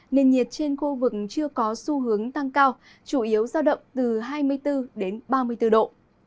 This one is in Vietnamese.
nền nhiệt trên khu vực chưa có xu hướng tăng cao chủ yếu giao động từ hai mươi bốn đến ba mươi bốn độ